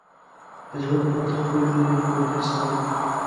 د ژوند خوند د خپلې کورنۍ سره وي